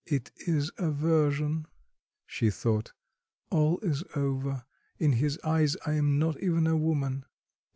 "It is aversion," she thought; "all is over; in his eyes I am not even a woman."